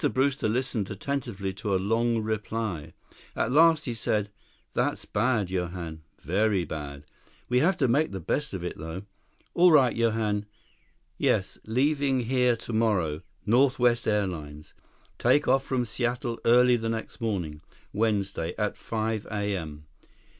Brewster listened attentively to a long reply. At last he said, "That's bad, Johann. Very bad. We'll have to make the best of it, though. All right, Johann.... Yes, leaving here tomorrow ... Northwest Airlines.... Take off from Seattle early the next morning, Wednesday, at five A.M.